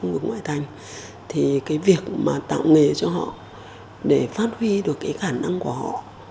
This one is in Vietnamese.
việc mà tạo nghề cho họ để phát huy được cái khả năng của họ